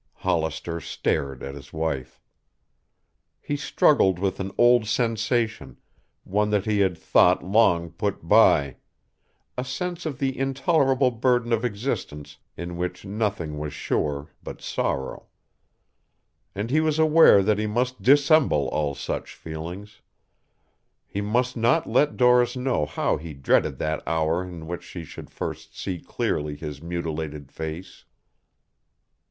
Hollister stared at his wife. He struggled with an old sensation, one that he had thought long put by, a sense of the intolerable burden of existence in which nothing was sure but sorrow. And he was aware that he must dissemble all such feelings. He must not let Doris know how he dreaded that hour in which she should first see clearly his mutilated face.